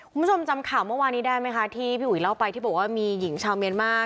คุณผู้ชมจำข่าวเมื่อวานี้ได้ไหมคะที่พี่อุ๋ยเล่าไปที่บอกว่ามีหญิงชาวเมียนมา